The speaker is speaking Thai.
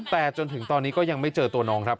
แต่จนถึงตอนนี้ก็ยังไม่เจอตัวน้องครับ